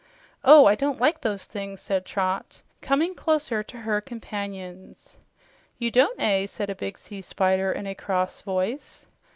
"Oh, I don't like those things!" said Trot, coming closer to her companions. "You don't, eh?" said a big Sea Spider in a cross voice.